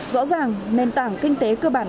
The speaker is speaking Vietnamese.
rõ ràng nền tảng kinh tế cơ bản